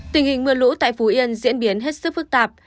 tình hình mưa lũ tại phú yên diễn biến hết sức phức tạp